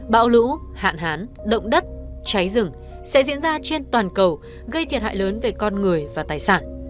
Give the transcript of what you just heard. bão lũ hạn hán động đất cháy rừng sẽ diễn ra trên toàn cầu gây thiệt hại lớn về con người và tài sản